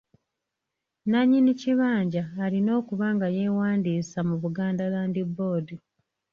Nnannyini kibanja alina okuba nga yeewandiisa mu Buganda Land Board.